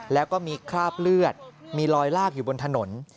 แล้วก็มีคราบเลือดมีลอยลากอยู่บนถนน